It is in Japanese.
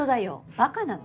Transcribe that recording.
バカなの？